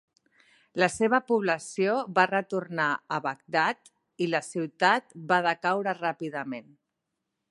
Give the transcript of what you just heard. La seva població va retornar a Bagdad i la ciutat va decaure ràpidament.